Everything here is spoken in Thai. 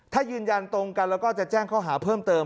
ถ้ายืนยันตรงกันแล้วก็จะแจ้งข้อหาเพิ่มเติม